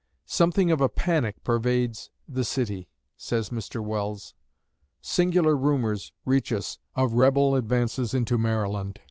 "Something of a panic pervades the city," says Mr. Welles. "Singular rumors reach us of Rebel advances into Maryland.